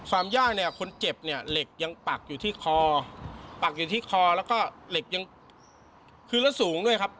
ย่างเนี่ยคนเจ็บเนี่ยเหล็กยังปักอยู่ที่คอปักอยู่ที่คอแล้วก็เหล็กยังคือแล้วสูงด้วยครับ